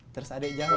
terus adek jawab